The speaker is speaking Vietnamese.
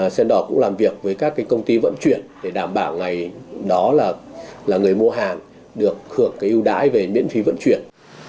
sendor cũng làm việc với các công ty vận chuyển để đảm bảo ngày đó là người mua hàng được hưởng cái ưu đãi về miễn phí vận chuyển